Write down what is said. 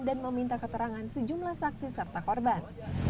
dan meminta keterangan sejumlah saksi serta korban